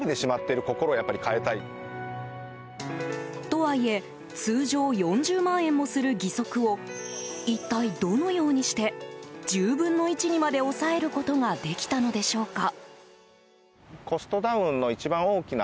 とはいえ通常４０万円もする義足を一体どのようにして１０分の１にまで抑えることができたのでしょうか。